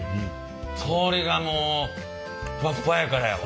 氷がもうふわっふわやからやわ。